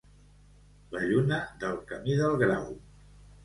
La lluna del camí del Grau.